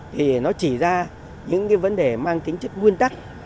thì nó chỉ ra những cái vấn đề mang tính chất nguyên tắc